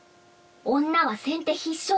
女は先手必勝！